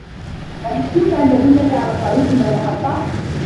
هل يمكنك أن تدلني على الطريق الى المحطة؟